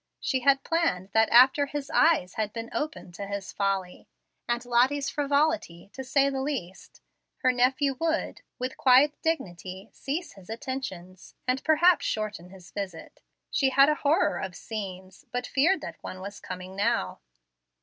She had planned that after his "eyes had been opened to his folly," and Lottie's frivolity, to say the least, her nephew would, with quiet dignity, cease his attentions, and perhaps shorten his visit. She had a horror of scenes, but feared that one was coming now.